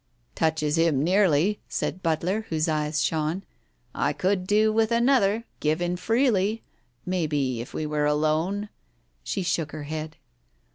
"Touches him nearly," said Butler, whose eyes shone. ... "I could do with another, given freely. Maybe, if we were alone " She shook her head.